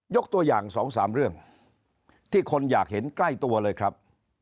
ยกตัวอย่าง๒๓เรื่องที่คนอยากเห็นใกล้ตัวเลยครับ